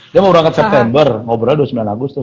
dia mau berangkat september ngobrolnya dua puluh sembilan agustus